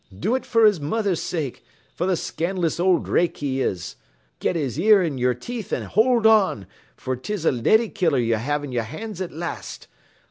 Do it fer his mether's sake, th' scand'lous owld rake he is. Get his year in yer teeth an' hold on, fer 'tis a leddy killer ye have in yer hands at last.